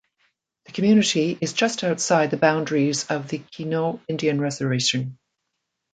The community is just outside the boundaries of the Quinault Indian Reservation.